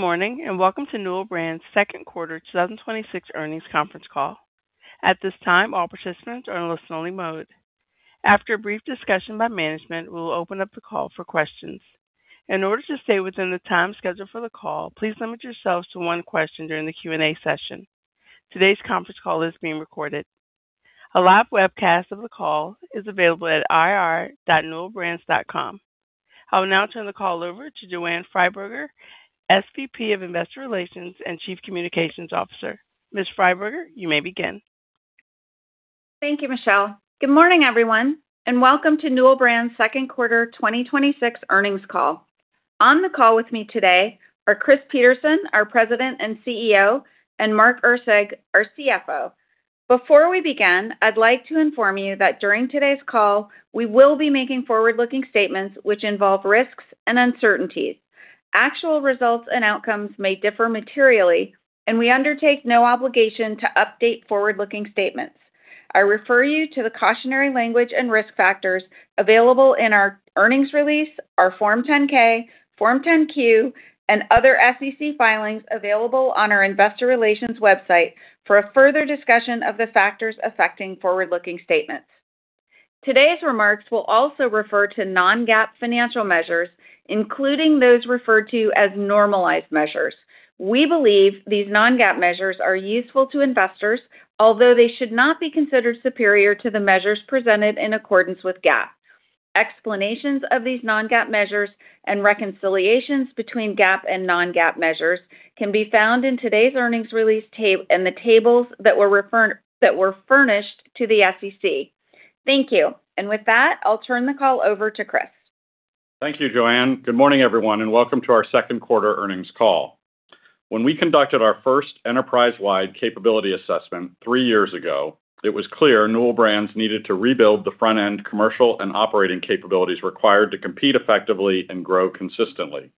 Good morning. Welcome to Newell Brands' Second Quarter 2026 earnings conference call. At this time, all participants are in listen-only mode. After a brief discussion by management, we'll open up the call for questions. In order to stay within the time scheduled for the call, please limit yourselves to one question during the Q&A session. Today's conference call is being recorded. A live webcast of the call is available at ir.newellbrands.com. I will now turn the call over to Joanne Freiberger, SVP of Investor Relations and Chief Communications Officer. Ms. Freiberger, you may begin. Thank you, Michelle. Good morning, everyone. Welcome to Newell Brands' second quarter 2026 earnings call. On the call with me today are Chris Peterson, our President and CEO, and Mark Erceg, our CFO. Before we begin, I'd like to inform you that during today's call, we will be making forward-looking statements which involve risks and uncertainties. Actual results and outcomes may differ materially, and we undertake no obligation to update forward-looking statements. I refer you to the cautionary language and risk factors available in our earnings release, our Form 10-K, Form 10-Q, and other SEC filings available on our investor relations website for a further discussion of the factors affecting forward-looking statements. Today's remarks will also refer to non-GAAP financial measures, including those referred to as normalized measures. We believe these non-GAAP measures are useful to investors, although they should not be considered superior to the measures presented in accordance with GAAP. Explanations of these non-GAAP measures and reconciliations between GAAP and non-GAAP measures can be found in today's earnings release and the tables that were furnished to the SEC. Thank you. With that, I'll turn the call over to Chris. Thank you, Joanne. Good morning, everyone. Welcome to our second quarter earnings call. When we conducted our first enterprise-wide capability assessment three years ago, it was clear Newell Brands needed to rebuild the front-end commercial and operating capabilities required to compete effectively and grow consistently.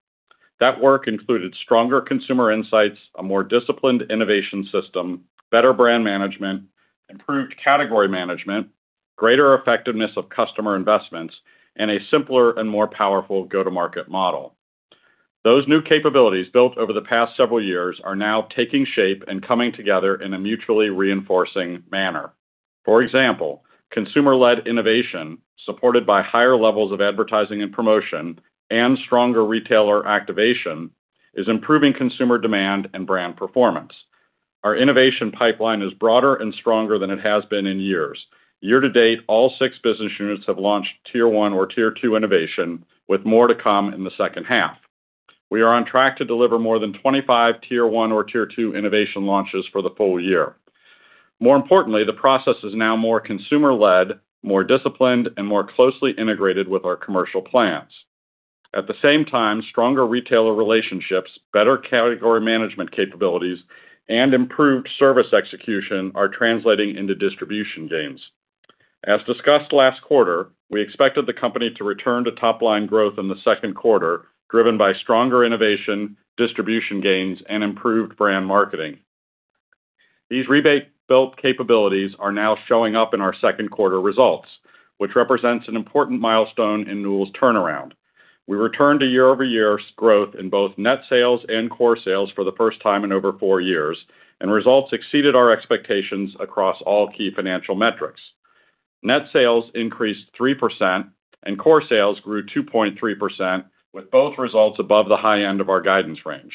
That work included stronger consumer insights, a more disciplined innovation system, better brand management, improved category management, greater effectiveness of customer investments, and a simpler and more powerful go-to-market model. Those new capabilities built over the past several years are now taking shape and coming together in a mutually reinforcing manner. For example, consumer-led innovation, supported by higher levels of advertising and promotion and stronger retailer activation, is improving consumer demand and brand performance. Our innovation pipeline is broader and stronger than it has been in years. Year-to-date, all six business units have launched Tier 1 or Tier 2 innovation, with more to come in the second half. We are on track to deliver more than 25 Tier 1 or Tier 2 innovation launches for the full year. More importantly, the process is now more consumer-led, more disciplined, and more closely integrated with our commercial plans. At the same time, stronger retailer relationships, better category management capabilities, and improved service execution are translating into distribution gains. As discussed last quarter, we expected the company to return to top-line growth in the second quarter, driven by stronger innovation, distribution gains, and improved brand marketing. These rebuilt capabilities are now showing up in our second quarter results, which represents an important milestone in Newell's turnaround. We returned to year-over-year growth in both net sales and core sales for the first time in over four years, and results exceeded our expectations across all key financial metrics. Net sales increased 3% and core sales grew 2.3%, with both results above the high end of our guidance range.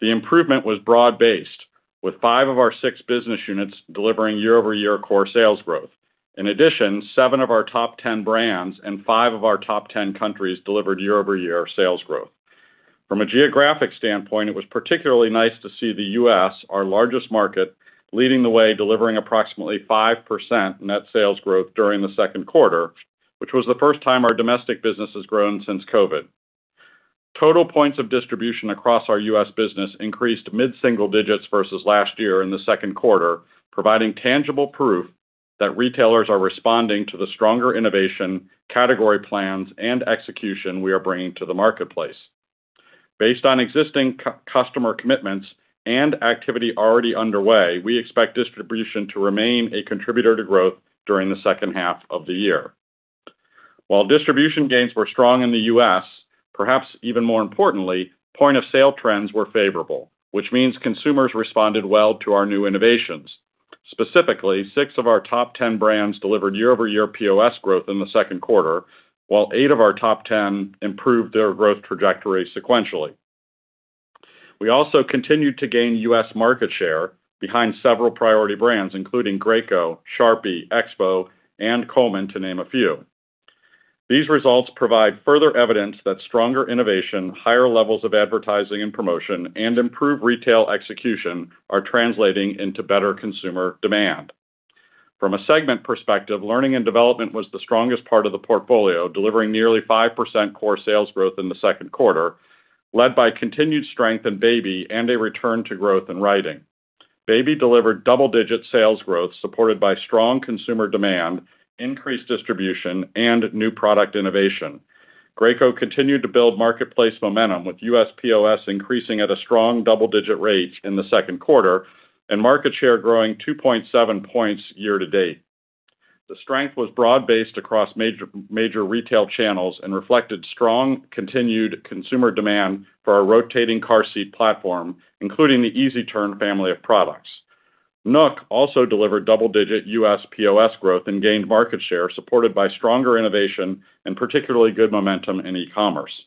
The improvement was broad-based, with five of our six business units delivering year-over-year core sales growth. In addition, seven of our top 10 brands and five of our top 10 countries delivered year-over-year sales growth. From a geographic standpoint, it was particularly nice to see the U.S., our largest market, leading the way, delivering approximately 5% net sales growth during the second quarter, which was the first time our domestic business has grown since COVID. Total points of distribution across our U.S. business increased mid-single digits vs last year in the second quarter, providing tangible proof that retailers are responding to the stronger innovation, category plans, and execution we are bringing to the marketplace. Based on existing customer commitments and activity already underway, we expect distribution to remain a contributor to growth during the second half of the year. While distribution gains were strong in the U.S., perhaps even more importantly, point-of-sale trends were favorable, which means consumers responded well to our new innovations. Specifically, six of our top 10 brands delivered year-over-year POS growth in the second quarter, while eight of our top 10 improved their growth trajectory sequentially. We also continued to gain U.S. market share behind several priority brands including Graco, Sharpie, EXPO, and Coleman, to name a few. These results provide further evidence that stronger innovation, higher levels of advertising and promotion, and improved retail execution are translating into better consumer demand. From a segment perspective, Learning & Development was the strongest part of the portfolio, delivering nearly 5% core sales growth in the second quarter, led by continued strength in Baby and a return to growth in Writing. Baby delivered double-digit sales growth supported by strong consumer demand, increased distribution, and new product innovation. Graco continued to build marketplace momentum with U.S. POS increasing at a strong double-digit rate in the second quarter and market share growing 2.7 points year-to-date. The strength was broad-based across major retail channels and reflected strong continued consumer demand for our rotating car seat platform, including the EasyTurn family of products. NUK also delivered double-digit U.S. POS growth and gained market share, supported by stronger innovation and particularly good momentum in e-commerce.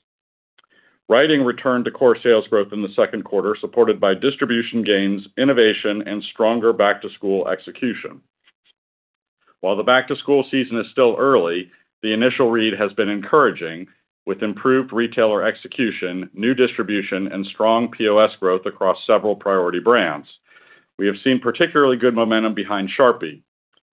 Writing returned to core sales growth in the second quarter, supported by distribution gains, innovation, and stronger back-to-school execution. While the back-to-school season is still early, the initial read has been encouraging, with improved retailer execution, new distribution, and strong POS growth across several priority brands. We have seen particularly good momentum behind Sharpie.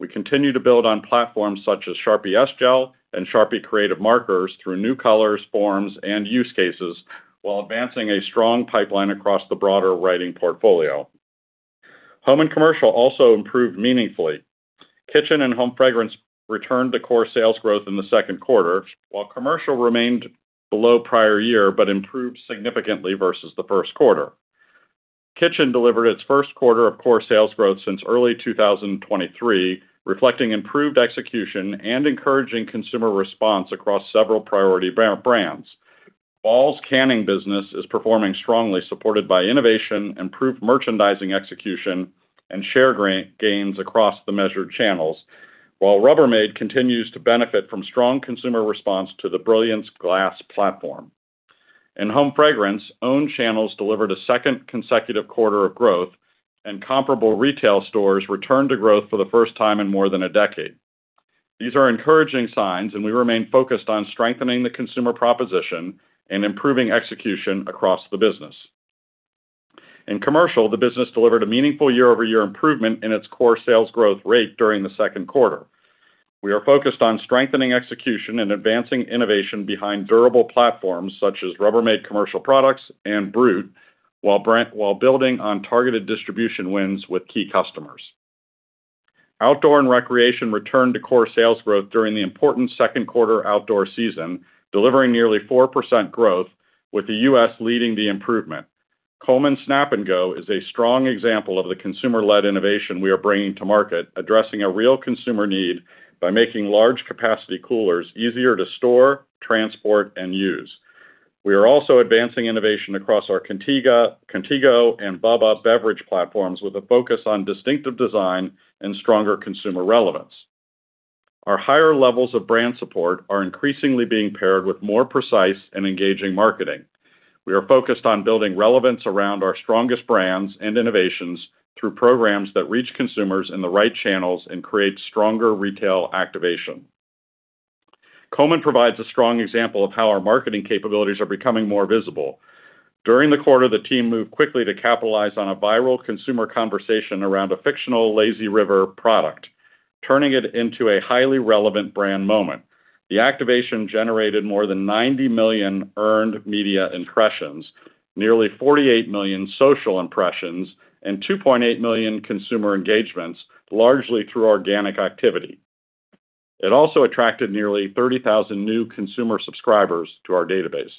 We continue to build on platforms such as Sharpie S-Gel and Sharpie Creative Markers through new colors, forms, and use cases, while advancing a strong pipeline across the broader writing portfolio. Home and Commercial also improved meaningfully. Kitchen and Home Fragrance returned to core sales growth in the second quarter, while Commercial remained below prior year but improved significantly vs the first quarter. Kitchen delivered its first quarter of core sales growth since early 2023, reflecting improved execution and encouraging consumer response across several priority brands. Ball's canning business is performing strongly, supported by innovation, improved merchandising execution, and share gains across the measured channels, while Rubbermaid continues to benefit from strong consumer response to the Brilliance Glass platform. In Home Fragrance, owned channels delivered a second consecutive quarter of growth, and comparable retail stores returned to growth for the first time in more than a decade. These are encouraging signs. We remain focused on strengthening the consumer proposition and improving execution across the business. In Commercial, the business delivered a meaningful year-over-year improvement in its core sales growth rate during the second quarter. We are focused on strengthening execution and advancing innovation behind durable platforms such as Rubbermaid Commercial Products and BRUTE, while building on targeted distribution wins with key customers. Outdoor and Recreation returned to core sales growth during the important second quarter outdoor season, delivering nearly 4% growth, with the U.S. leading the improvement. Coleman Snap 'N Go is a strong example of the consumer-led innovation we are bringing to market, addressing a real consumer need by making large-capacity coolers easier to store, transport, and use. We are also advancing innovation across our Contigo and bubba beverage platforms, with a focus on distinctive design and stronger consumer relevance. Our higher levels of brand support are increasingly being paired with more precise and engaging marketing. We are focused on building relevance around our strongest brands and innovations through programs that reach consumers in the right channels and create stronger retail activation. Coleman provides a strong example of how our marketing capabilities are becoming more visible. During the quarter, the team moved quickly to capitalize on a viral consumer conversation around a fictional lazy river product, turning it into a highly relevant brand moment. The activation generated more than 90 million earned media impressions, nearly 48 million social impressions, and 2.8 million consumer engagements, largely through organic activity. It also attracted nearly 30,000 new consumer subscribers to our database.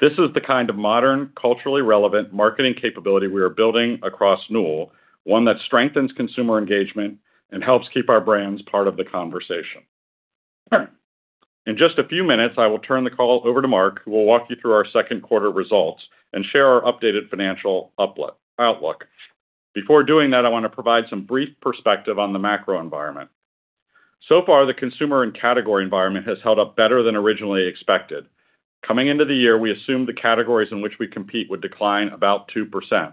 This is the kind of modern, culturally relevant marketing capability we are building across Newell, one that strengthens consumer engagement and helps keep our brands part of the conversation. In just a few minutes, I will turn the call over to Mark, who will walk you through our second quarter results and share our updated financial outlook. Before doing that, I want to provide some brief perspective on the macro environment. The consumer and category environment has held up better than originally expected. Coming into the year, we assumed the categories in which we compete would decline about 2%.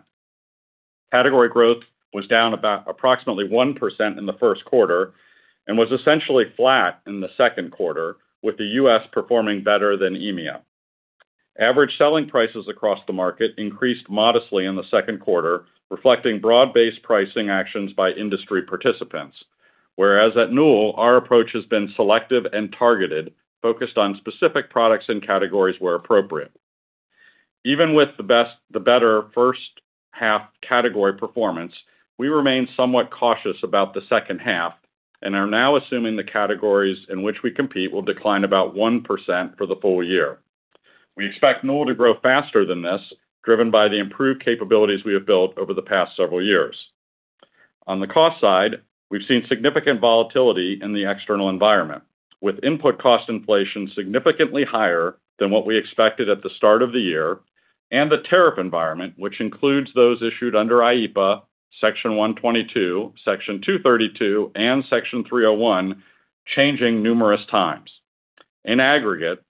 Category growth was down approximately 1% in the first quarter and was essentially flat in the second quarter, with the U.S. performing better than EMEA. Average selling prices across the market increased modestly in the second quarter, reflecting broad-based pricing actions by industry participants. Whereas at Newell, our approach has been selective and targeted, focused on specific products and categories where appropriate. Even with the better first half category performance, we remain somewhat cautious about the second half and are now assuming the categories in which we compete will decline about 1% for the full year. We expect Newell to grow faster than this, driven by the improved capabilities we have built over the past several years. On the cost side, we've seen significant volatility in the external environment, with input cost inflation significantly higher than what we expected at the start of the year, and the tariff environment, which includes those issued under IEEPA, Section 122, Section 232, and Section 301, changing numerous times. In aggregate,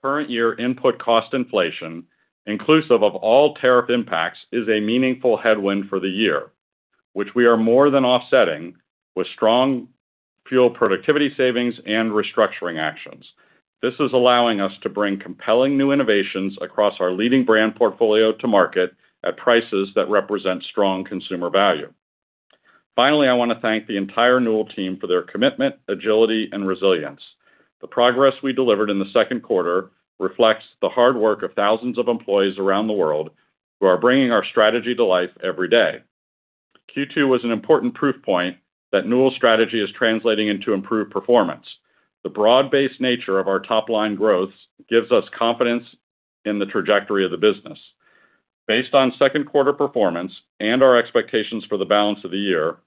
current year input cost inflation, inclusive of all tariff impacts, is a meaningful headwind for the year, which we are more than offsetting with strong fuel productivity savings and restructuring actions. This is allowing us to bring compelling new innovations across our leading brand portfolio to market at prices that represent strong consumer value. Finally, I want to thank the entire Newell team for their commitment, agility, and resilience. The progress we delivered in the second quarter reflects the hard work of thousands of employees around the world who are bringing our strategy to life every day. Q2 was an important proof point that Newell's strategy is translating into improved performance. The broad-based nature of our top-line growth gives us confidence in the trajectory of the business. Based on second quarter performance and our expectations for the balance of the year,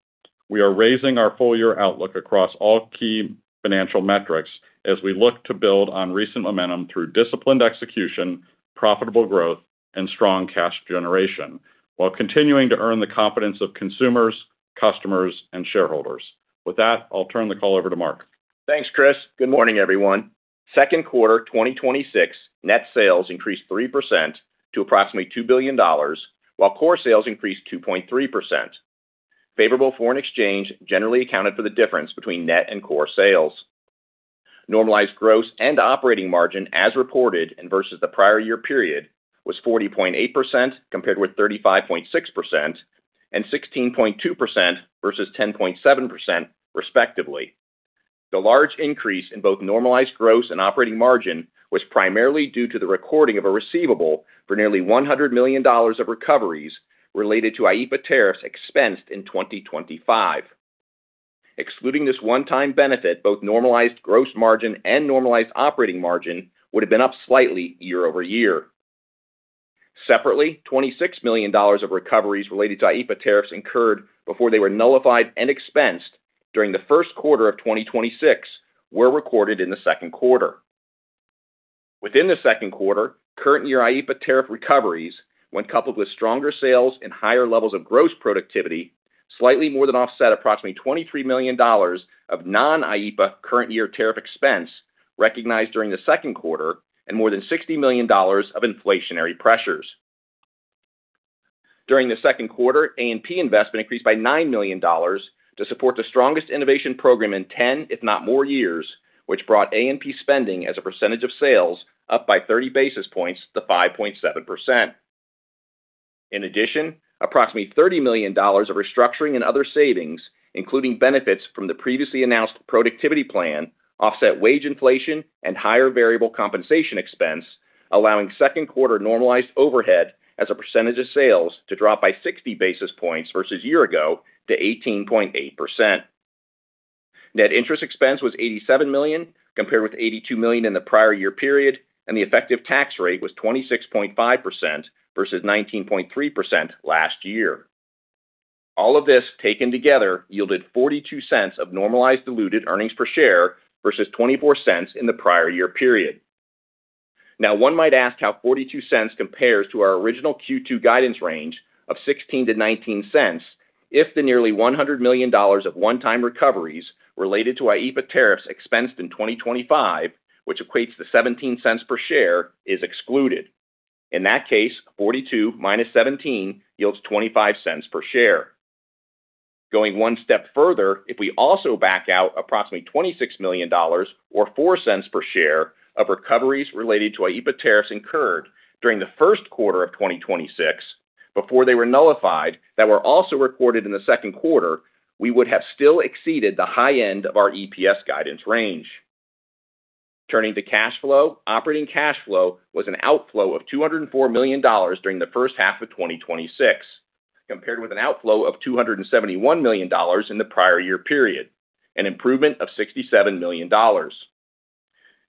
we are raising our full-year outlook across all key financial metrics as we look to build on recent momentum through disciplined execution, profitable growth, and strong cash generation, while continuing to earn the confidence of consumers, customers, and shareholders. With that, I'll turn the call over to Mark. Thanks, Chris. Good morning, everyone. Second quarter 2026 net sales increased 3% to approximately $2 billion, while core sales increased 2.3%. Favorable foreign exchange generally accounted for the difference between net and core sales. Normalized gross and operating margin as reported and vs the prior year period was 40.8%, compared with 35.6%, and 16.2% vs 10.7%, respectively. The large increase in both normalized gross and operating margin was primarily due to the recording of a receivable for nearly $100 million of recoveries related to IEEPA tariffs expensed in 2025. Excluding this one-time benefit, both normalized gross margin and normalized operating margin would have been up slightly year-over-year. Separately, $26 million of recoveries related to IEEPA tariffs incurred before they were nullified and expensed during the first quarter of 2026 were recorded in the second quarter. Within the second quarter, current year IEEPA tariff recoveries, when coupled with stronger sales and higher levels of gross productivity, slightly more than offset approximately $23 million of non-IEEPA current year tariff expense recognized during the second quarter and more than $60 million of inflationary pressures. During the second quarter, A&P investment increased by $9 million to support the strongest innovation program in 10, if not more years, which brought A&P spending as a percentage of sales up by 30 basis points to 5.7%. In addition, approximately $30 million of restructuring and other savings, including benefits from the previously announced productivity plan, offset wage inflation and higher variable compensation expense, allowing second quarter normalized overhead as a percentage of sales to drop by 60 basis points vs year ago to 18.8%. Net interest expense was $87 million, compared with $82 million in the prior year period, and the effective tax rate was 26.5% vs 19.3% last year. All of this taken together yielded $0.42 of normalized diluted earnings per share vs $0.24 in the prior year period. One might ask how $0.42 compares to our original Q2 guidance range of $0.16-$0.19 if the nearly $100 million of one-time recoveries related to IEEPA tariffs expensed in 2025, which equates to $0.17 per share, is excluded. In that case, $0.42 - $0.17 yields $0.25 per share. Going one step further, if we also back out approximately $26 million, or $0.04 per share, of recoveries related to IEEPA tariffs incurred during the first quarter of 2026 before they were nullified that were also recorded in the second quarter, we would have still exceeded the high end of our EPS guidance range. Turning to cash flow, operating cash flow was an outflow of $204 million during the first half of 2026, compared with an outflow of $271 million in the prior year period, an improvement of $67 million.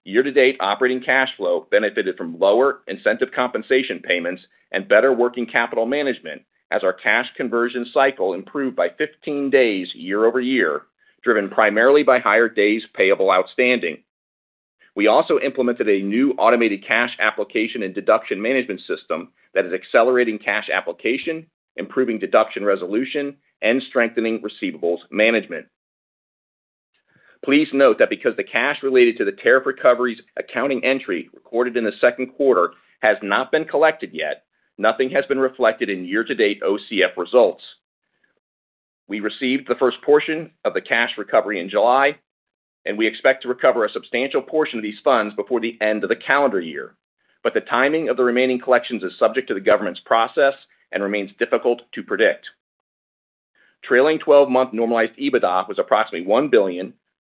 Year-to-date operating cash flow benefited from lower incentive compensation payments and better working capital management as our cash conversion cycle improved by 15 days year-over-year, driven primarily by higher days payable outstanding. We also implemented a new automated cash application and deduction management system that is accelerating cash application, improving deduction resolution, and strengthening receivables management. Please note that because the cash related to the tariff recoveries accounting entry recorded in the second quarter has not been collected yet, nothing has been reflected in year-to-date OCF results. We received the first portion of the cash recovery in July, and we expect to recover a substantial portion of these funds before the end of the calendar year. The timing of the remaining collections is subject to the government's process and remains difficult to predict. Trailing 12-month normalized EBITDA was approximately $1 billion,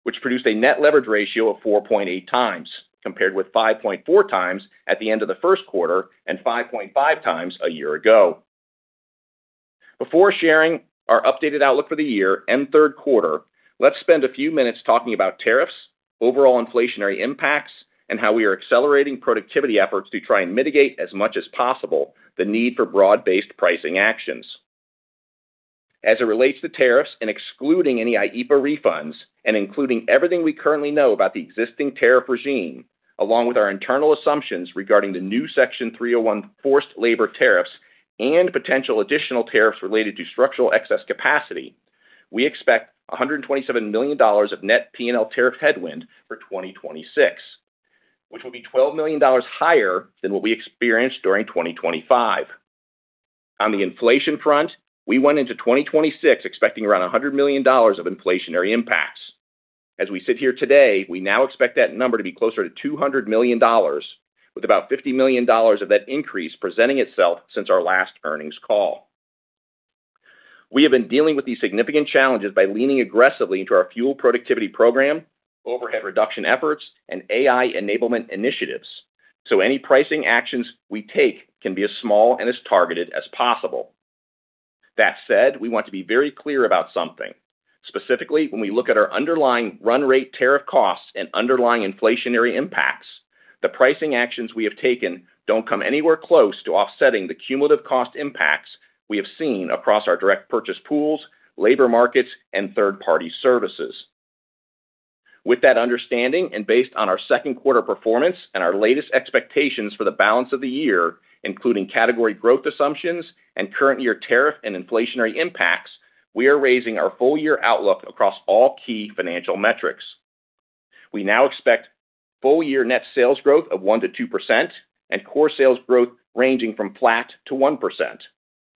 which produced a net leverage ratio of 4.8x, compared with 5.4x at the end of the first quarter and 5.5x a year ago. Before sharing our updated outlook for the year and third quarter, let's spend a few minutes talking about tariffs, overall inflationary impacts, and how we are accelerating productivity efforts to try and mitigate as much as possible the need for broad-based pricing actions. As it relates to tariffs and excluding any IEEPA refunds and including everything we currently know about the existing tariff regime, along with our internal assumptions regarding the new Section 301 forced labor tariffs and potential additional tariffs related to structural excess capacity, we expect $127 million of net P&L tariff headwind for 2026, which will be $12 million higher than what we experienced during 2025. On the inflation front, we went into 2026 expecting around $100 million of inflationary impacts. As we sit here today, we now expect that number to be closer to $200 million, with about $50 million of that increase presenting itself since our last earnings call. We have been dealing with these significant challenges by leaning aggressively into our fuel productivity program, overhead reduction efforts, and AI enablement initiatives. Any pricing actions we take can be as small and as targeted as possible. That said, we want to be very clear about something. Specifically, when we look at our underlying run rate tariff costs and underlying inflationary impacts, the pricing actions we have taken don't come anywhere close to offsetting the cumulative cost impacts we have seen across our direct purchase pools, labor markets, and third-party services. With that understanding, and based on our second quarter performance and our latest expectations for the balance of the year, including category growth assumptions and current year tariff and inflationary impacts, we are raising our full year outlook across all key financial metrics. We now expect full year net sales growth of 1%-2%, and core sales growth ranging from flat to 1%.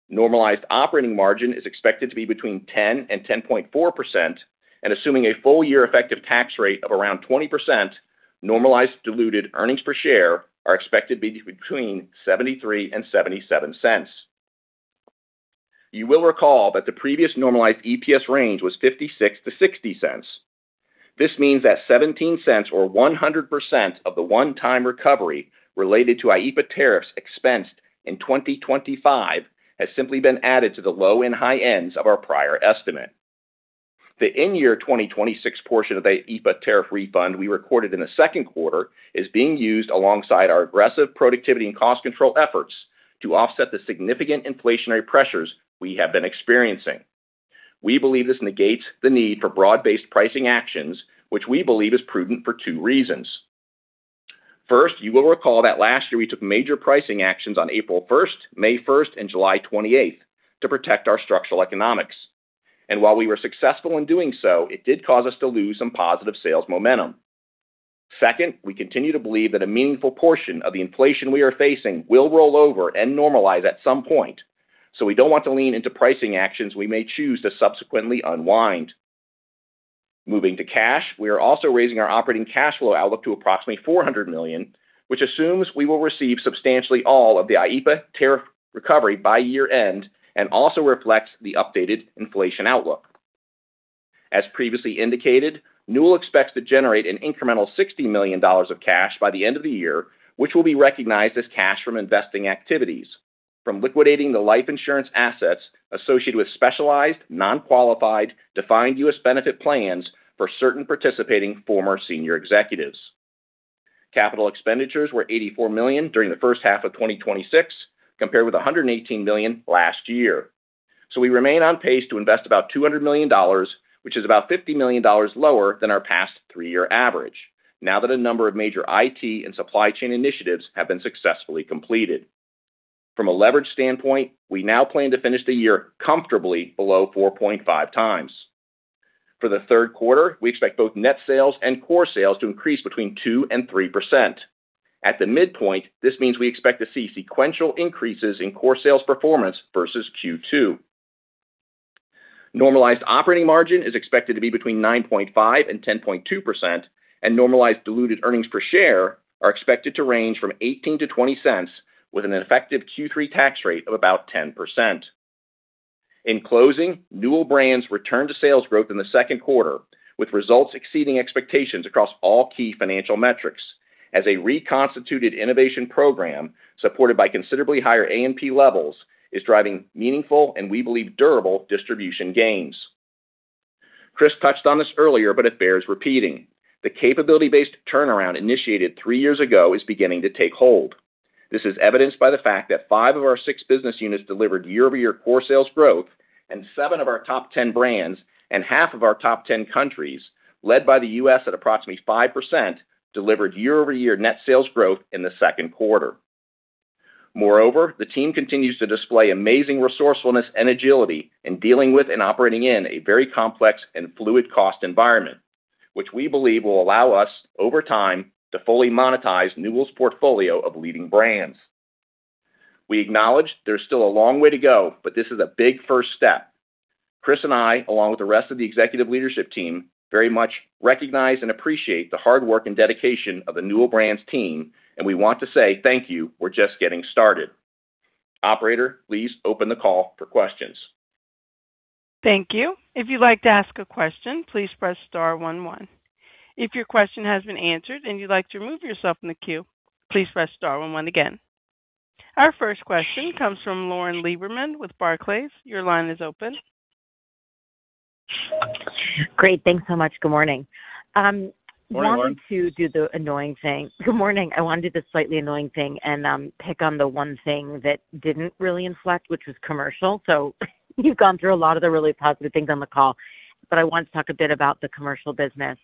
Normalized operating margin is expected to be between 10% and 10.4%, and assuming a full year effective tax rate of around 20%, normalized diluted earnings per share are expected to be between $0.73 and $0.77. You will recall that the previous normalized EPS range was $0.56-$0.60. This means that $0.17, or 100% of the one-time recovery related to IEEPA tariffs expensed in 2025, has simply been added to the low and high ends of our prior estimate. The in-year 2026 portion of the IEEPA tariff refund we recorded in the second quarter is being used alongside our aggressive productivity and cost control efforts to offset the significant inflationary pressures we have been experiencing. We believe this negates the need for broad-based pricing actions, which we believe is prudent for two reasons. First, you will recall that last year we took major pricing actions on April 1st, May 1st, and July 28th to protect our structural economics. While we were successful in doing so, it did cause us to lose some positive sales momentum. Second, we continue to believe that a meaningful portion of the inflation we are facing will roll over and normalize at some point. We don't want to lean into pricing actions we may choose to subsequently unwind. Moving to cash, we are also raising our operating cash flow outlook to approximately $400 million, which assumes we will receive substantially all of the IEEPA tariff recovery by year end and also reflects the updated inflation outlook. As previously indicated, Newell expects to generate an incremental $60 million of cash by the end of the year, which will be recognized as cash from investing activities, from liquidating the life insurance assets associated with specialized, non-qualified, defined U.S. benefit plans for certain participating former senior executives. Capital expenditures were $84 million during the first half of 2026, compared with $118 million last year. We remain on pace to invest about $200 million, which is about $50 million lower than our past three-year average, now that a number of major IT and supply chain initiatives have been successfully completed. From a leverage standpoint, we now plan to finish the year comfortably below 4.5x. For the third quarter, we expect both net sales and core sales to increase between 2% and 3%. At the midpoint, this means we expect to see sequential increases in core sales performance vs Q2. Normalized operating margin is expected to be between 9.5% and 10.2%, and normalized diluted earnings per share are expected to range from $0.18-$0.20, with an effective Q3 tax rate of about 10%. In closing, Newell Brands returned to sales growth in the second quarter, with results exceeding expectations across all key financial metrics as a reconstituted innovation program, supported by considerably higher A&P levels, is driving meaningful and, we believe, durable distribution gains. Chris touched on this earlier, but it bears repeating. The capability-based turnaround initiated three years ago is beginning to take hold. This is evidenced by the fact that five out of our six business units delivered year-over-year core sales growth and seven of our top 10 brands and half of our top 10 countries, led by the U.S. at approximately 5%, delivered year-over-year net sales growth in the second quarter. Moreover, the team continues to display amazing resourcefulness and agility in dealing with and operating in a very complex and fluid cost environment, which we believe will allow us, over time, to fully monetize Newell's portfolio of leading brands. We acknowledge there's still a long way to go, but this is a big first step. Chris and I, along with the rest of the executive leadership team, very much recognize and appreciate the hard work and dedication of the Newell Brands team, and we want to say thank you. We're just getting started. Operator, please open the call for questions. Thank you. If you'd like to ask a question, please press star one one. If your question has been answered and you'd like to remove yourself from the queue, please press star one one again. Our first question comes from Lauren Lieberman with Barclays. Your line is open. Great. Thanks so much. Good morning. Good morning, Lauren. I wanted to do the slightly annoying thing and pick on the one thing that didn't really inflect, which was Commercial. You've gone through a lot of the really positive things on the call, I wanted to talk a bit about the Commercial business.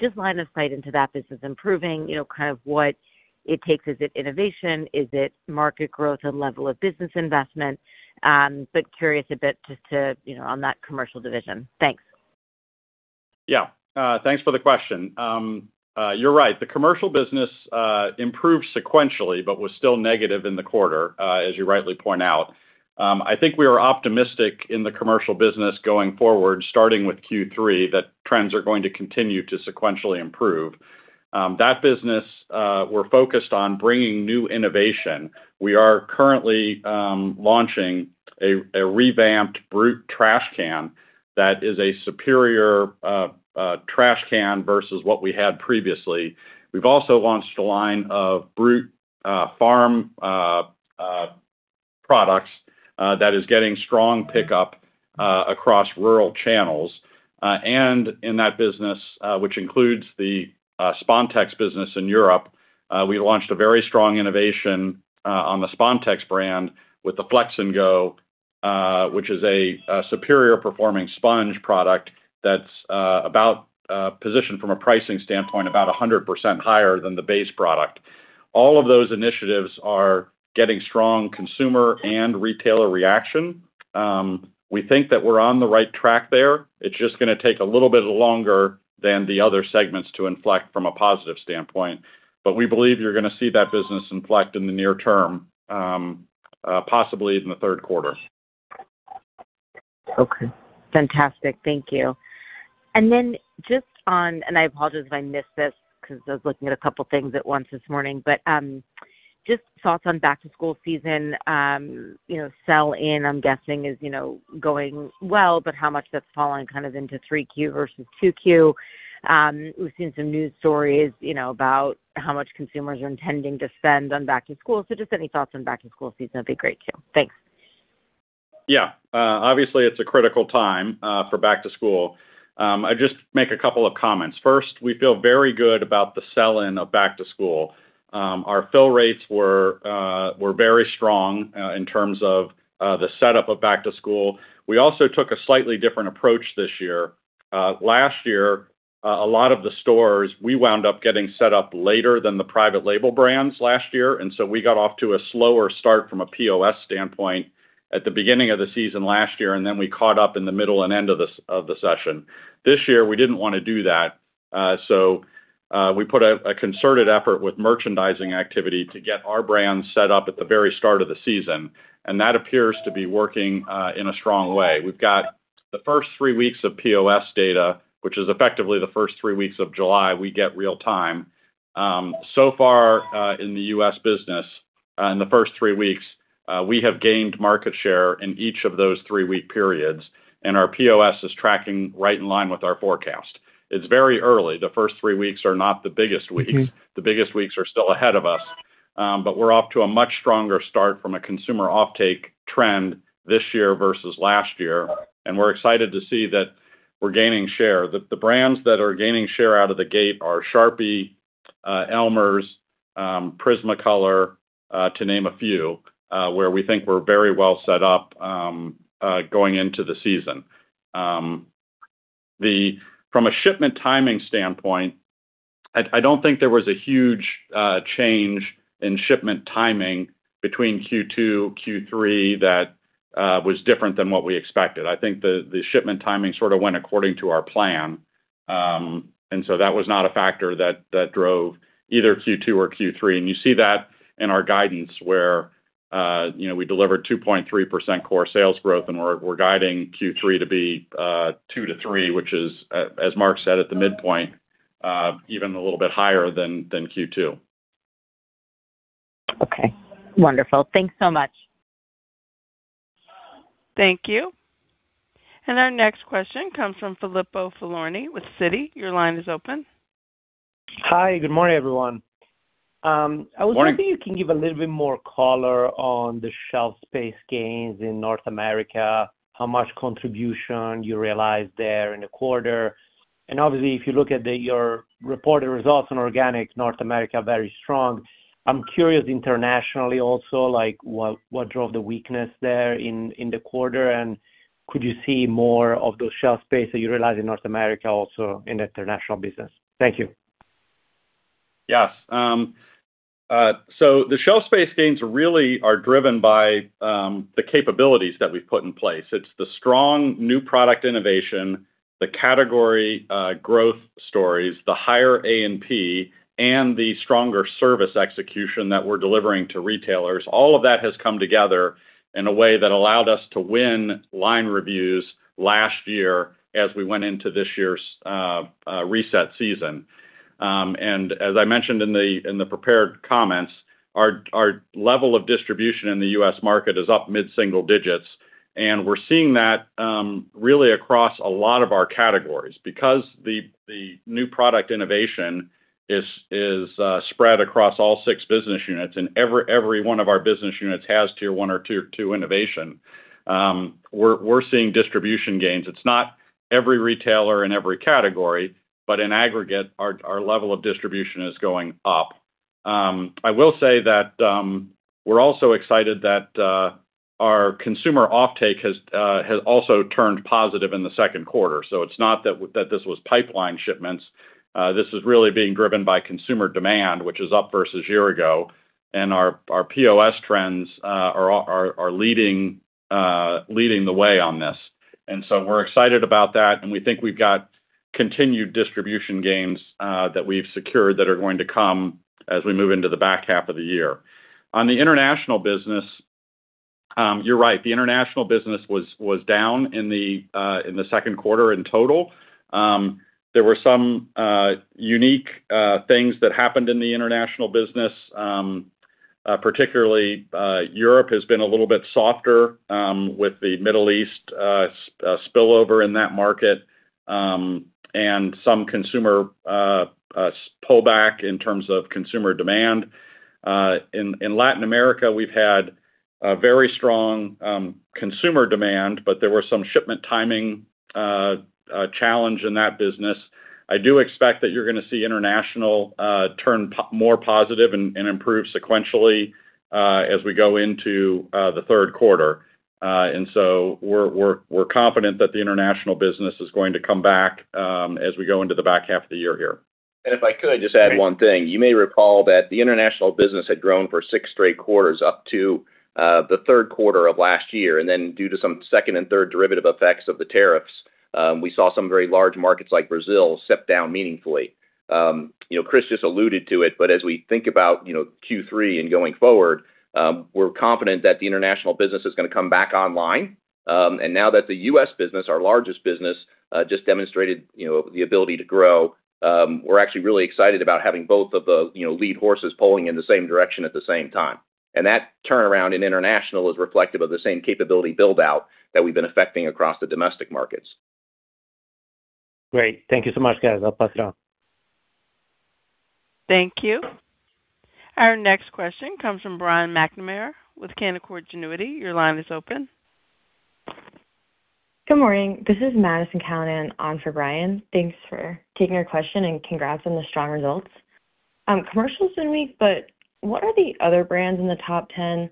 Just line of sight into that business improving, kind of what it takes. Is it innovation? Is it market growth and level of business investment? Curious a bit just to, on that Commercial division. Thanks. Yeah. Thanks for the question. You're right. The Commercial business improved sequentially, but was still negative in the quarter, as you rightly point out. I think we are optimistic in the Commercial business going forward, starting with Q3, that trends are going to continue to sequentially improve. That business, we're focused on bringing new innovation. We are currently launching a revamped Brute trash can that is a superior trash can vs what we had previously. We've also launched a line of Brute Farm products that is getting strong pickup across rural channels. In that business, which includes the Spontex business in Europe. We launched a very strong innovation on the Spontex brand with the Flex & Wash, which is a superior performing sponge product that's positioned from a pricing standpoint, about 100% higher than the base product. All of those initiatives are getting strong consumer and retailer reaction. We think that we're on the right track there. It's just going to take a little bit longer than the other segments to inflect from a positive standpoint. We believe you're going to see that business inflect in the near term, possibly even the third quarter. Okay, fantastic. Thank you. I apologize if I missed this because I was looking at a couple of things at once this morning, just thoughts on back-to-school season. Sell-in, I'm guessing is going well, how much that's falling into 3Q vs 2Q. We've seen some news stories about how much consumers are intending to spend on back-to-school. Just any thoughts on back-to-school season would be great too? Thanks. Yeah. Obviously, it's a critical time for back-to-school. I'll just make a couple of comments. First, we feel very good about the sell-in of back-to-school. Our fill rates were very strong in terms of the setup of back-to-school. We also took a slightly different approach this year. Last year, a lot of the stores, we wound up getting set up later than the private label brands last year, we got off to a slower start from a POS standpoint at the beginning of the season last year, we caught up in the middle and end of the session. This year, we didn't want to do that, we put a concerted effort with merchandising activity to get our brands set up at the very start of the season, that appears to be working in a strong way. We've got the first three weeks of POS data, which is effectively the first three weeks of July, we get real time. Far in the U.S. business, in the first three weeks, we have gained market share in each of those three-week periods, our POS is tracking right in line with our forecast. It's very early. The first three weeks are not the biggest weeks. The biggest weeks are still ahead of us, we're off to a much stronger start from a consumer offtake trend this year vs last year, we're excited to see that we're gaining share. The brands that are gaining share out of the gate are Sharpie, Elmer's, Prismacolor, to name a few, where we think we're very well set up going into the season. From a shipment timing standpoint, I don't think there was a huge change in shipment timing between Q2-Q3 that was different than what we expected. I think the shipment timing sort of went according to our plan. That was not a factor that drove either Q2 or Q3. You see that in our guidance where we delivered 2.3% core sales growth and we're guiding Q3 to be 2%-3%, which is, as Mark said at the midpoint, even a little bit higher than Q2. Okay, wonderful. Thanks so much. Thank you. Our next question comes from Filippo Falorni with Citi. Your line is open. Hi, good morning, everyone. I was wondering if you can give a little bit more color on the shelf space gains in North America, how much contribution you realized there in the quarter? Obviously, if you look at your reported results on organic North America, very strong. I'm curious internationally also, what drove the weakness there in the quarter, and could you see more of those shelf space that you realize in North America, also in the International business? Thank you. Yes. The shelf space gains really are driven by the capabilities that we've put in place. It's the strong new product innovation, the category growth stories, the higher A&P, and the stronger service execution that we're delivering to retailers. All of that has come together in a way that allowed us to win line reviews last year as we went into this year's reset season. As I mentioned in the prepared comments, our level of distribution in the U.S. market is up mid-single digits, and we're seeing that really across a lot of our categories because the new product innovation is spread across all six business units, and every one of our business units has Tier 1 or Tier 2 innovation. We're seeing distribution gains. It's not every retailer and every category, but in aggregate, our level of distribution is going up. I will say that we're also excited that our consumer offtake has also turned positive in the second quarter. It's not that this was pipeline shipments. This is really being driven by consumer demand, which is up vs a year ago, and our POS trends are leading the way on this. We're excited about that, and we think we've got continued distribution gains that we've secured that are going to come as we move into the back half of the year. On the International business, you're right, the International business was down in the second quarter in total. There were some unique things that happened in the International business. Particularly, Europe has been a little bit softer with the Middle East spillover in that market, and some consumer pull back in terms of consumer demand. In Latin America, we've had a very strong consumer demand, there were some shipment timing challenge in that business. I do expect that you're going to see international turn more positive and improve sequentially as we go into the third quarter. We're confident that the international business is going to come back as we go into the back half of the year here. If I could just add one thing. You may recall that the International business had grown for six straight quarters up to the third quarter of last year, then due to some second and third derivative effects of the tariffs, we saw some very large markets like Brazil step down meaningfully. Chris just alluded to it, but as we think about Q3 and going forward, we're confident that the international business is going to come back online. Now that the U.S. business, our largest business, just demonstrated the ability to grow, we're actually really excited about having both of the lead horses pulling in the same direction at the same time. That turnaround in international is reflective of the same capability build-out that we've been effecting across the domestic markets. Great. Thank you so much, guys. I'll pass it on. Thank you. Our next question comes from Brian McNamara with Canaccord Genuity. Your line is open. Good morning. This is Madison Callinan on for Brian. Thanks for taking our question and congrats on the strong results. Commercials been weak, but what are the other brands in the top 10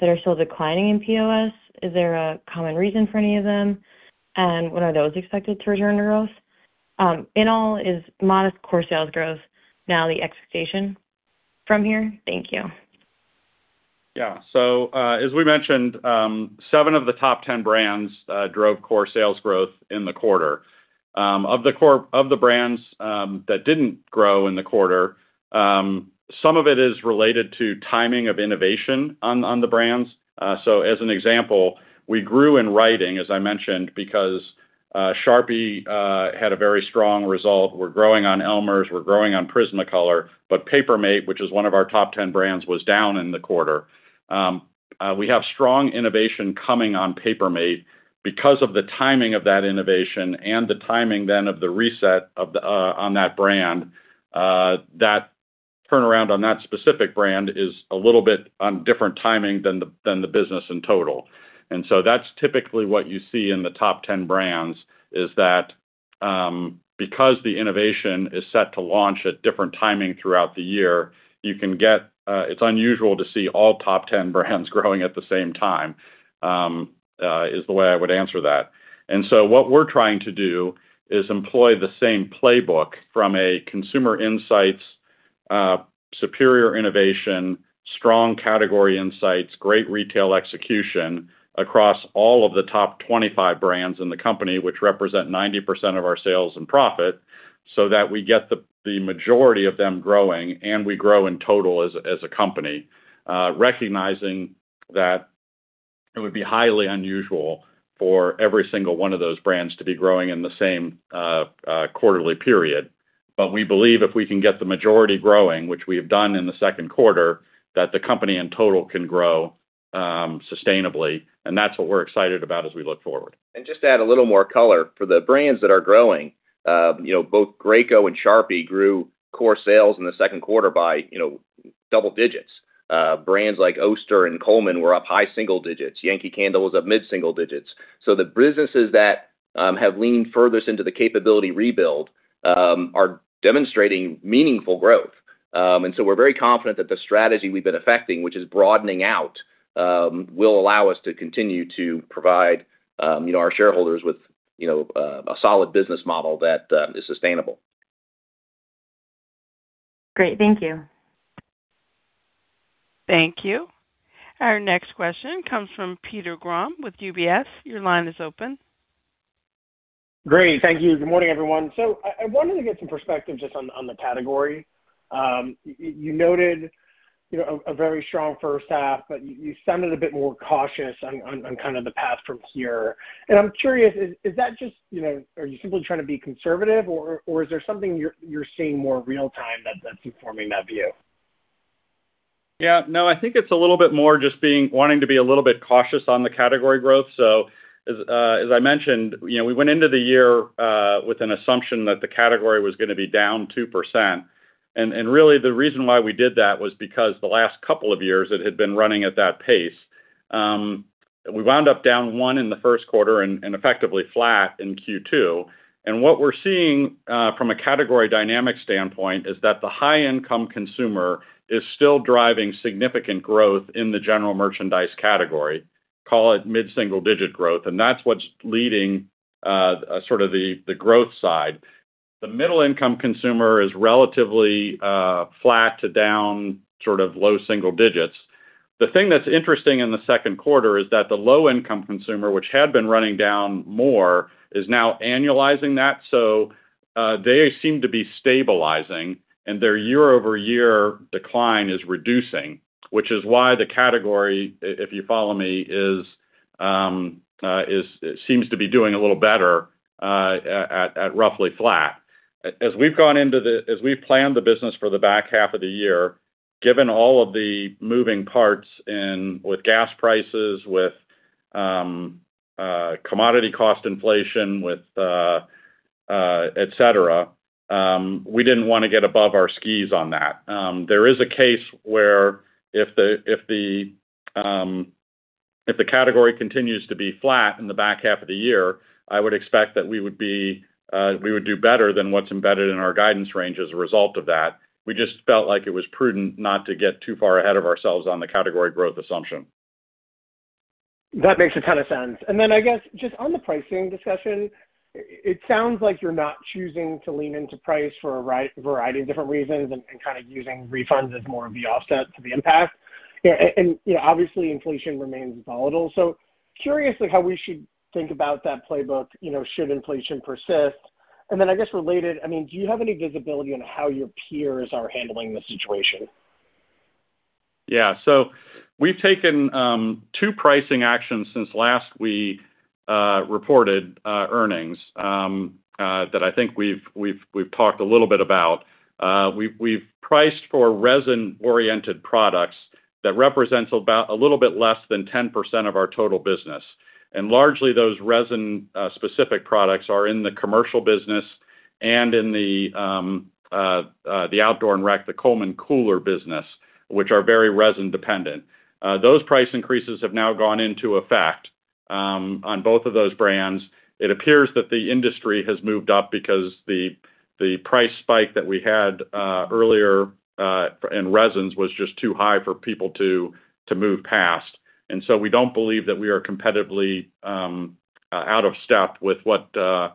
that are still declining in POS? Is there a common reason for any of them? When are those expected to return to growth? In all, is modest core sales growth now the expectation from here? Thank you. As we mentioned, seven of the top 10 brands drove core sales growth in the quarter. Of the brands that didn't grow in the quarter, some of it is related to timing of innovation on the brands. As an example, we grew in writing, as I mentioned, because Sharpie had a very strong result. We're growing on Elmer's, we're growing on Prismacolor, but Paper Mate, which is one of our top 10 brands, was down in the quarter. We have strong innovation coming on Paper Mate. Because of the timing of that innovation and the timing then of the reset on that brand, that turnaround on that specific brand is a little bit on different timing than the business in total. That's typically what you see in the top 10 brands is that, because the innovation is set to launch at different timing throughout the year, it's unusual to see all top 10 brands growing at the same time, is the way I would answer that. What we're trying to do is employ the same playbook from a consumer insights, superior innovation, strong category insights, great retail execution across all of the top 25 brands in the company, which represent 90% of our sales and profit, so that we get the majority of them growing, and we grow in total as a company. Recognizing that it would be highly unusual for every single one of those brands to be growing in the same quarterly period. We believe if we can get the majority growing, which we have done in the second quarter, that the company in total can grow sustainably, and that's what we're excited about as we look forward. Just to add a little more color. For the brands that are growing, both Graco and Sharpie grew core sales in the second quarter by double digits. Brands like Oster and Coleman were up high-single digits. Yankee Candle was up mid-single digits. The businesses that have leaned furthest into the capability rebuild are demonstrating meaningful growth. We're very confident that the strategy we've been effecting, which is broadening out, will allow us to continue to provide our shareholders with a solid business model that is sustainable. Great. Thank you. Thank you. Our next question comes from Peter Grom with UBS. Your line is open. Great. Thank you. Good morning, everyone. I wanted to get some perspective just on the category. You noted a very strong first half, but you sounded a bit more cautious on kind of the path from here. I'm curious, are you simply trying to be conservative? Or is there something you're seeing more real-time that's informing that view? I think it's a little bit more just wanting to be a little bit cautious on the category growth. As I mentioned, we went into the year with an assumption that the category was going to be down 2%. The reason why we did that was because the last couple of years, it had been running at that pace. We wound up down one in the first quarter and effectively flat in Q2. What we're seeing, from a category dynamic standpoint, is that the high-income consumer is still driving significant growth in the general merchandise category. Call it mid-single digit growth, and that's what's leading sort of the growth side. The middle-income consumer is relatively flat to down sort of low-single digits. The thing that's interesting in the second quarter is that the low-income consumer, which had been running down more, is now annualizing that. They seem to be stabilizing, and their year-over-year decline is reducing, which is why the category, if you follow me, seems to be doing a little better at roughly flat. As we've planned the business for the back half of the year, given all of the moving parts with gas prices, with commodity cost inflation, with etc., we didn't want to get above our skis on that. There is a case where if the category continues to be flat in the back half of the year, I would expect that we would do better than what's embedded in our guidance range as a result of that. We just felt like it was prudent not to get too far ahead of ourselves on the category growth assumption. That makes a ton of sense. I guess, just on the pricing discussion, it sounds like you're not choosing to lean into price for a variety of different reasons and kind of using refunds as more of the offset to the impact. Obviously, inflation remains volatile. Curiously, how we should think about that playbook, should inflation persist? I guess related, do you have any visibility on how your peers are handling the situation? Yeah. We've taken two pricing actions since last we reported earnings that I think we've talked a little bit about. We've priced for resin-oriented products that represents a little bit less than 10% of our total business. Largely, those resin-specific products are in the Commercial business and in the Outdoor and Recreation, the Coleman cooler business, which are very resin-dependent. Those price increases have now gone into effect on both of those brands. It appears that the industry has moved up because the price spike that we had earlier in resins was just too high for people to move past. We don't believe that we are competitively out of step with what the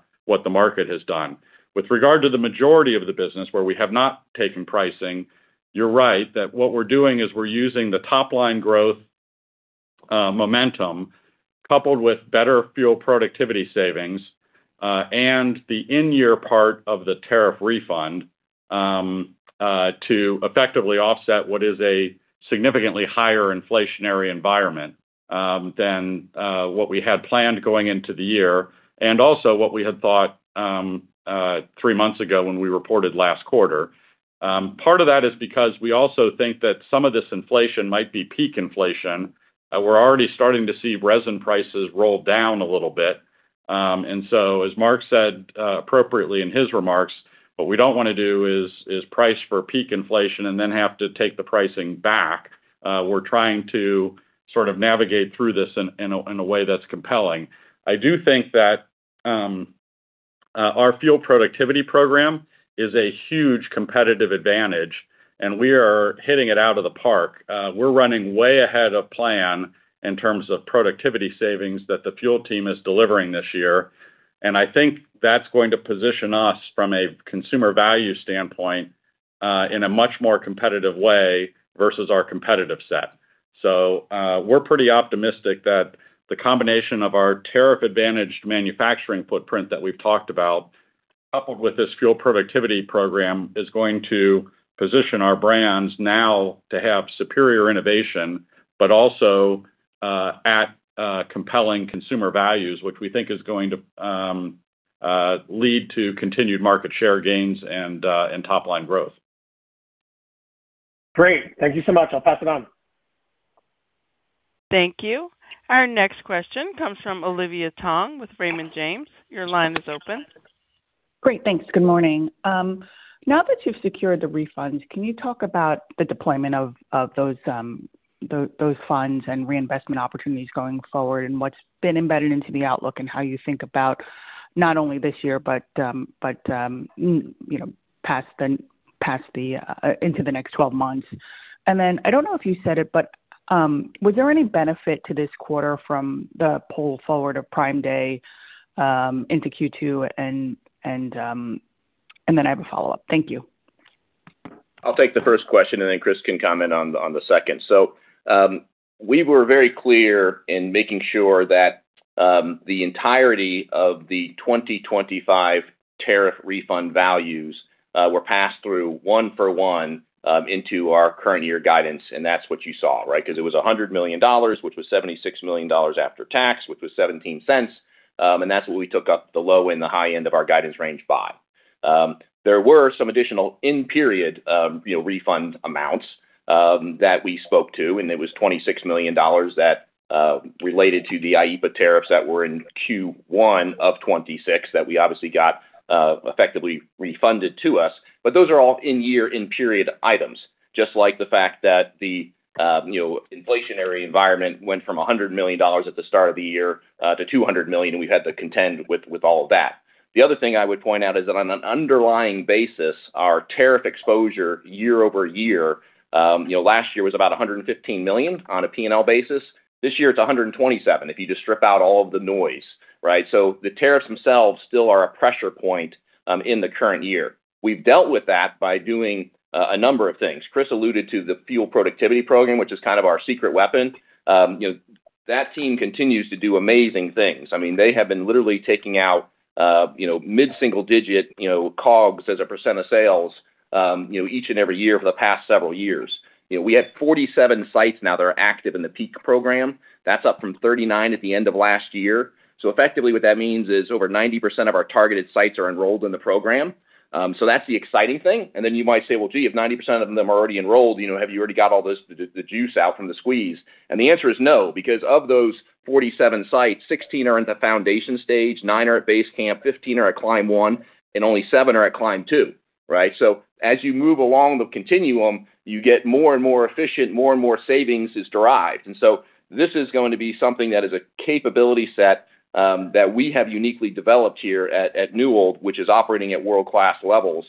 market has done. With regard to the majority of the business where we have not taken pricing, you're right. That what we're doing is we're using the top-line growth momentum coupled with better fuel productivity savings, and the in-year part of the tariff refund to effectively offset what is a significantly higher inflationary environment than what we had planned going into the year, and also what we had thought three months ago when we reported last quarter. Part of that is because we also think that some of this inflation might be peak inflation. We're already starting to see resin prices roll down a little bit. As Mark said appropriately in his remarks, what we don't want to do is price for peak inflation and then have to take the pricing back. We're trying to sort of navigate through this in a way that's compelling. I do think that our fuel productivity program is a huge competitive advantage, and we are hitting it out of the park. We're running way ahead of plan in terms of productivity savings that the fuel team is delivering this year. I think that's going to position us from a consumer value standpoint in a much more competitive way vs our competitive set. We're pretty optimistic that the combination of our tariff-advantaged manufacturing footprint that we've talked about, coupled with this fuel productivity program, is going to position our brands now to have superior innovation, but also at compelling consumer values, which we think is going to lead to continued market share gains and top-line growth. Great. Thank you so much. I'll pass it on. Thank you. Our next question comes from Olivia Tong with Raymond James. Your line is open. Great. Thanks. Good morning. Now that you've secured the refunds, can you talk about the deployment of those funds and reinvestment opportunities going forward and what's been embedded into the outlook and how you think about not only this year but into the next 12 months? I don't know if you said it, but was there any benefit to this quarter from the pull forward of Prime Day into Q2? I have a follow-up. Thank you. I'll take the first question. Chris can comment on the second. We were very clear in making sure that the entirety of the 2025 tariff refund values were passed through one for one into our current year guidance, and that's what you saw, right? It was $100 million, which was $76 million after tax, which was $0.17. That's what we took up the low and the high end of our guidance range by. There were some additional in-period refund amounts that we spoke to, and it was $26 million that related to the IEEPA tariffs that were in Q1 of 2026 that we obviously got effectively refunded to us. Those are all in year, in period items. Just like the fact that the inflationary environment went from $100 million at the start of the year to $200 million, and we've had to contend with all of that. The other thing I would point out is that on an underlying basis, our tariff exposure year-over-year, last year was about $115 million on a P&L basis. This year it's $127 million if you just strip out all of the noise, right? The tariffs themselves still are a pressure point in the current year. We've dealt with that by doing a number of things. Chris alluded to the fuel productivity program, which is kind of our secret weapon. That team continues to do amazing things. They have been literally taking out mid-single digit COGS as a percent of sales each and every year for the past several years. We have 47 sites now that are active in the PEAK program. That's up from 39 at the end of last year. Effectively what that means is over 90% of our targeted sites are enrolled in the program. That's the exciting thing. You might say, "Well, gee, if 90% of them are already enrolled, have you already got all the juice out from the squeeze?" The answer is no, because of those 47 sites, 16 are in the foundation stage, nine are at base camp, 15 are at Climb 1, and only seven are at Climb 2, right? As you move along the continuum, you get more and more efficient, more and more savings is derived. This is going to be something that is a capability set that we have uniquely developed here at Newell, which is operating at world-class levels,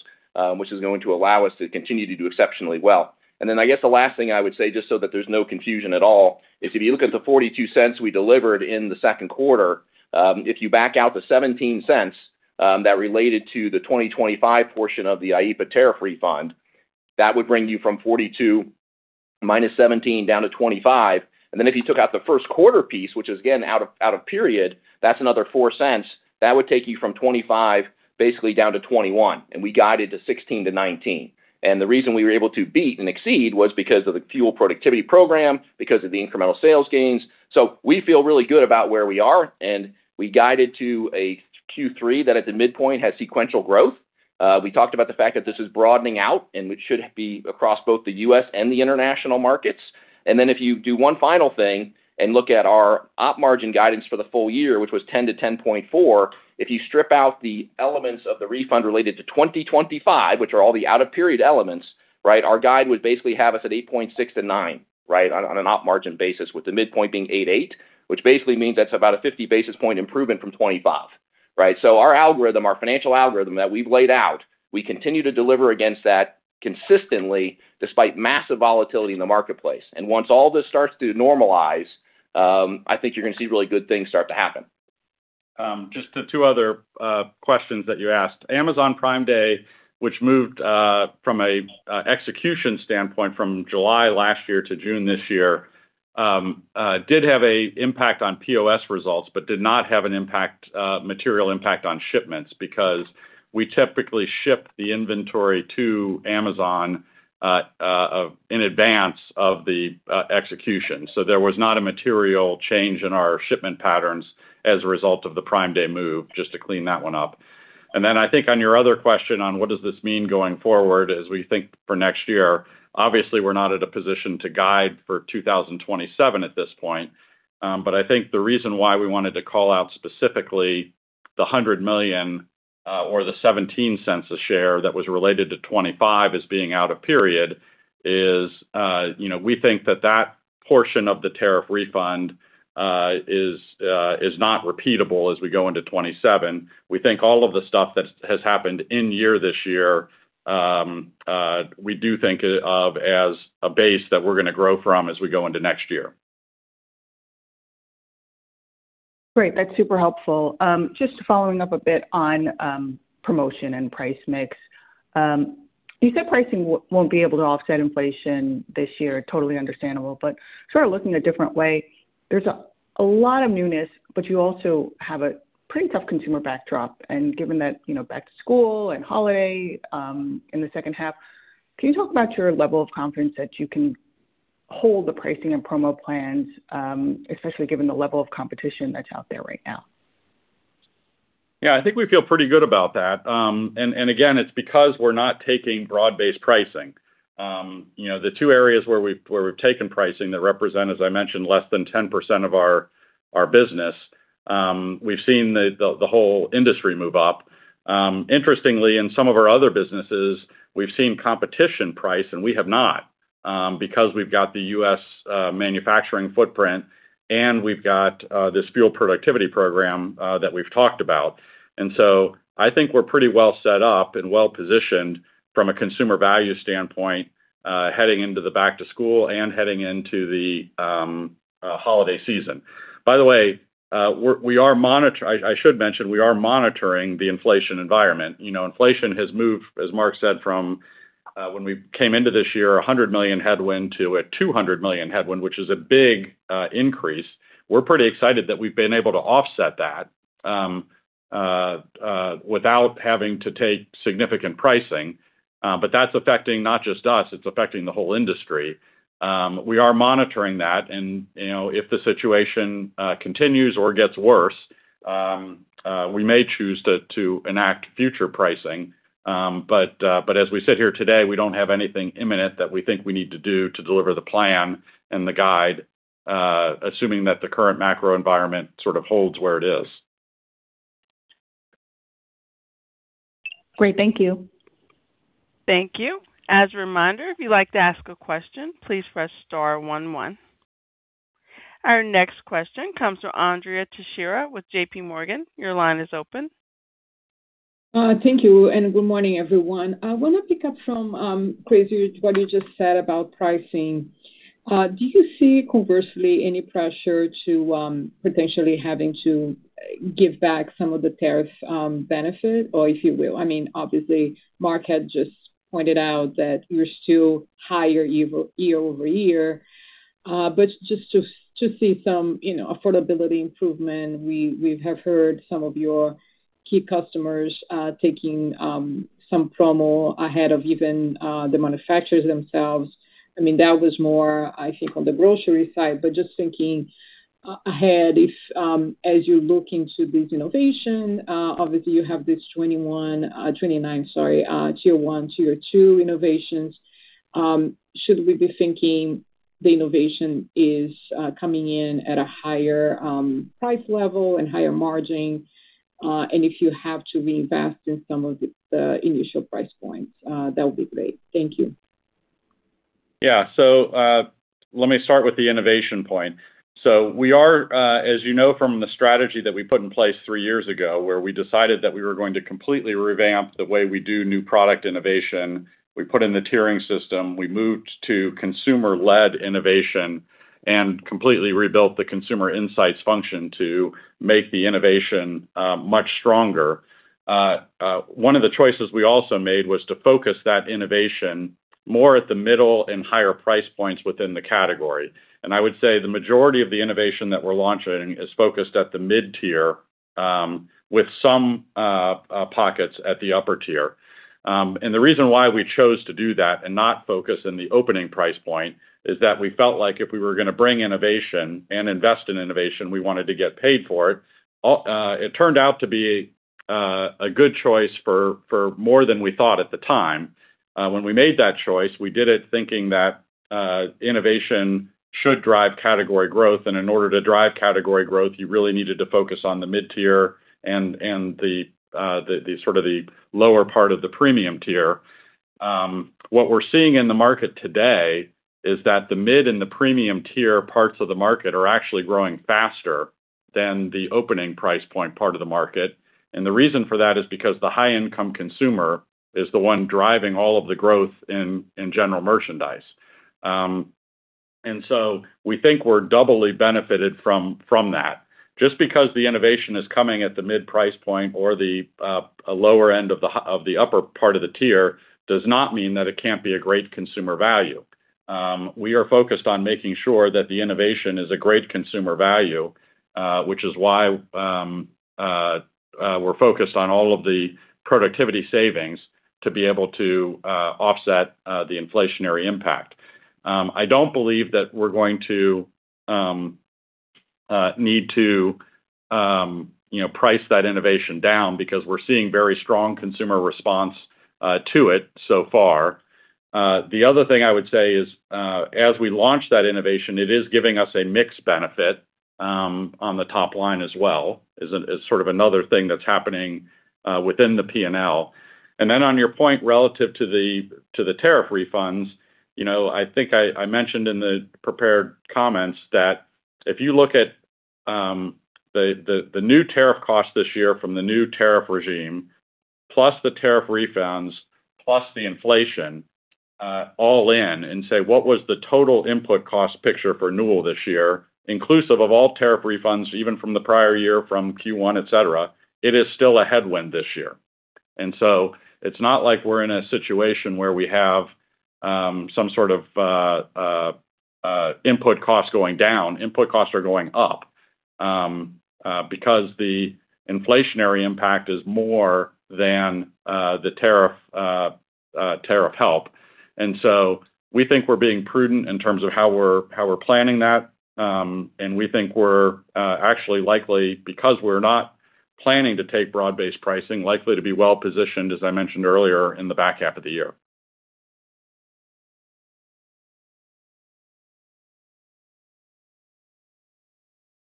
which is going to allow us to continue to do exceptionally well. I guess the last thing I would say, just so that there's no confusion at all, is if you look at the $0.42 we delivered in the second quarter, if you back out the $0.17 that related to the 2025 portion of the IEEPA tariff refund, that would bring you from $0.42 - $0.17 down to $0.25. If you took out the first quarter piece, which is again out of period, that's another $0.04. That would take you from $0.25, basically down to $0.21, and we guided to $0.16-$0.19. The reason we were able to beat and exceed was because of the fuel productivity program, because of the incremental sales gains. We feel really good about where we are, and we guided to a Q3 that at the midpoint has sequential growth. We talked about the fact that this is broadening out, and it should be across both the U.S. and the International markets. If you do one final thing and look at our op margin guidance for the full year, which was 10%-10.4%, if you strip out the elements of the refund related to 2025, which are all the out-of-period elements, our guide would basically have us at 8.6%-9% on an op margin basis, with the midpoint being 8.8%, which basically means that's about a 50 basis point improvement from 2025, right? Our financial algorithm that we've laid out, we continue to deliver against that consistently despite massive volatility in the marketplace. Once all this starts to normalize, I think you're going to see really good things start to happen. Just the two other questions that you asked. Amazon Prime Day, which moved from a execution standpoint from July last year to June this year, did have an impact on POS results, but did not have a material impact on shipments because we typically ship the inventory to Amazon in advance of the execution. There was not a material change in our shipment patterns as a result of the Prime Day move, just to clean that one up. I think on your other question on what does this mean going forward as we think for next year? Obviously, we're not at a position to guide for 2027 at this point. I think the reason why we wanted to call out specifically the $100 million, or the $0.17 a share that was related to 2025 as being out of period. Is we think that that portion of the tariff refund is not repeatable as we go into 2027. We think all of the stuff that has happened in year this year, we do think of as a base that we're going to grow from as we go into next year. Great. That's super helpful. Just following up a bit on promotion and price mix. You said pricing won't be able to offset inflation this year, totally understandable. Sort of looking a different way, there's a lot of newness, but you also have a pretty tough consumer backdrop. Given that back to school and holiday in the second half, can you talk about your level of confidence that you can hold the pricing and promo plans, especially given the level of competition that's out there right now? Yeah, I think we feel pretty good about that. Again, it's because we're not taking broad-based pricing. The two areas where we've taken pricing that represent, as I mentioned, less than 10% of our business, we've seen the whole industry move up. Interestingly, in some of our other businesses, we've seen competition price, and we have not, because we've got the U.S. manufacturing footprint and we've got this fuel productivity program that we've talked about. I think we're pretty well set up and well-positioned from a consumer value standpoint heading into the back to school and heading into the holiday season. By the way, I should mention, we are monitoring the inflation environment. Inflation has moved, as Mark said, from when we came into this year, a $100 million headwind to a $200 million headwind, which is a big increase. We're pretty excited that we've been able to offset that without having to take significant pricing. That's affecting not just us, it's affecting the whole industry. We are monitoring that and if the situation continues or gets worse, we may choose to enact future pricing. As we sit here today, we don't have anything imminent that we think we need to do to deliver the plan and the guide, assuming that the current macro environment sort of holds where it is. Great. Thank you. Thank you. As a reminder, if you'd like to ask a question, please press star one one. Our next question comes from Andrea Teixeira with JPMorgan. Your line is open. Thank you, good morning, everyone. I want to pick up from, Chris, what you just said about pricing. Do you see, conversely, any pressure to potentially having to give back some of the tariff benefit? Or if you will. Obviously, Mark had just pointed out that we're still higher year-over-year. Just to see some affordability improvement. We have heard some of your key customers taking some promo ahead of even the manufacturers themselves. That was more, I think, on the grocery side, just thinking ahead, as you look into this innovation, obviously you have this 25, Tier 1, Tier 2 innovations. Should we be thinking the innovation is coming in at a higher price level and higher margin? If you have to reinvest in some of the initial price points, that would be great. Thank you. Yeah. Let me start with the innovation point. We are, as you know from the strategy that we put in place three years ago, where we decided that we were going to completely revamp the way we do new product innovation. We put in the tiering system, we moved to consumer-led innovation and completely rebuilt the consumer insights function to make the innovation much stronger. One of the choices we also made was to focus that innovation more at the middle and higher price points within the category. I would say the majority of the innovation that we're launching is focused at the mid-tier, with some pockets at the upper-tier. The reason why we chose to do that and not focus in the opening price point is that we felt like if we were going to bring innovation and invest in innovation, we wanted to get paid for it. It turned out to be a good choice for more than we thought at the time. When we made that choice, we did it thinking that innovation should drive category growth, and in order to drive category growth, you really needed to focus on the mid-tier and the lower part of the premium tier. What we're seeing in the market today is that the mid and the premium tier parts of the market are actually growing faster than the opening price point part of the market. The reason for that is because the high-income consumer is the one driving all of the growth in general merchandise. We think we're doubly benefited from that. Just because the innovation is coming at the mid price point or the lower end of the upper part of the tier does not mean that it can't be a great consumer value. We are focused on making sure that the innovation is a great consumer value, which is why we're focused on all of the productivity savings to be able to offset the inflationary impact. I don't believe that we're going to need to price that innovation down because we're seeing very strong consumer response to it so far. The other thing I would say is as we launch that innovation, it is giving us a mixed benefit on the top line as well, is sort of another thing that's happening within the P&L. On your point relative to the tariff refunds, I think I mentioned in the prepared comments that if you look at the new tariff cost this year from the new tariff regime, plus the tariff refunds, plus the inflation, all in and say, what was the total input cost picture for Newell this year, inclusive of all tariff refunds, even from the prior year, from Q1, etc., it is still a headwind this year. It's not like we're in a situation where we have some sort of input cost going down. Input costs are going up because the inflationary impact is more than the tariff help. We think we're being prudent in terms of how we're planning that. We think we're actually likely, because we're not planning to take broad-based pricing, likely to be well-positioned, as I mentioned earlier, in the back half of the year.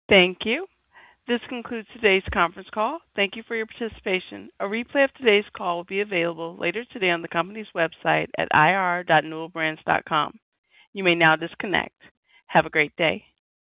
Thank you. This concludes today's conference call. Thank you for your participation. A replay of today's call will be available later today on the company's website at ir.newellbrands.com. You may now disconnect. Have a great day.